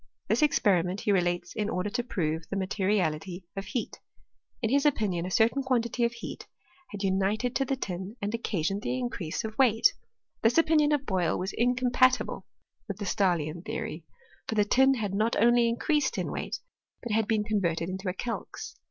This experi ment he relates in order to prove the materiality of heat : in his opinion a certain quantity of heat had upited to the tin and occasioned the increase of weight. This opinion of Boyle was incompatible with the Stah lian theory: for the tin had not only increased in weight, but had been converted into a calx.